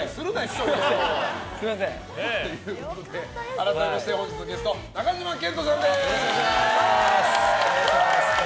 改めまして本日のゲスト中島健人さんです。